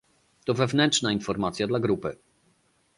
To wewnętrzna informacja dla grupy